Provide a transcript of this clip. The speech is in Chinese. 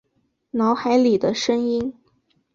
脑海里的声音